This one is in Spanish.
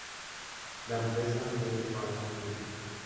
La empresa no llegó al año de vida.